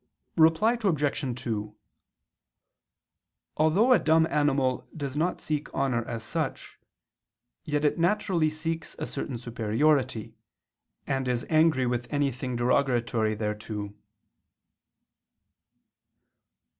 Reply Obj. 2: Although a dumb animal does not seek honor as such, yet it naturally seeks a certain superiority, and is angry with anything derogatory thereto.